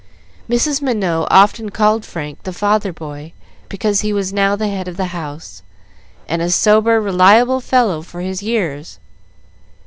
Mrs. Minot often called Frank the "father boy," because he was now the head of the house, and a sober, reliable fellow for his years.